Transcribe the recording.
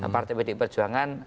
partai pdip perjuangan